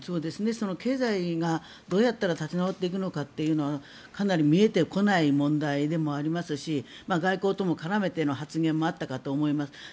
経済がどうやったら立ち直っていくかというのはかなり見えてこない問題でもありますし外交とも絡めての発言もあったかとは思います。